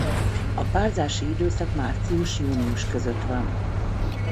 A párzási időszak március–június között van.